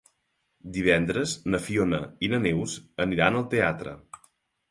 Divendres na Fiona i na Neus aniran al teatre.